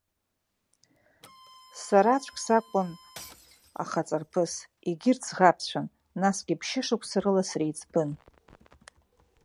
Сараӡәк сакәын ахаҵарԥыс, егьырҭ ӡӷабцәан, насгьы ԥшьышықәса рыла среиҵбын.